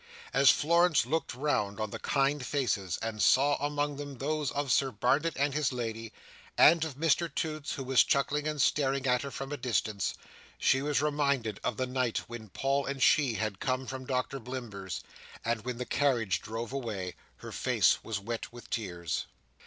As Florence looked round on the kind faces, and saw among them those of Sir Barnet and his lady, and of Mr Toots, who was chuckling and staring at her from a distance, she was reminded of the night when Paul and she had come from Doctor Blimber's: and when the carriage drove away, her face was wet with tears.